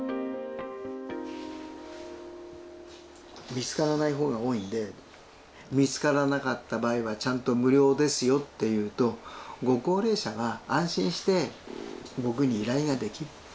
見つからない方が多いんで見つからなかった場合はちゃんと無料ですよって言うとご高齢者は安心して僕に依頼ができる。